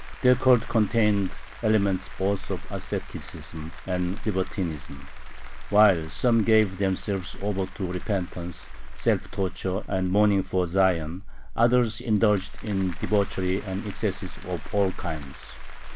Their cult contained elements both of asceticism and libertinism. While some gave themselves over to repentance, self torture, and mourning for Zion, others indulged in debaucheries and excesses of all kinds.